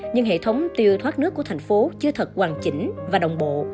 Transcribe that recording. nhưng hệ thống tiêu thoát nước của thành phố chưa thật hoàn chỉnh và đồng bộ